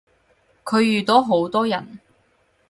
佢遇到好多人